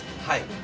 はい。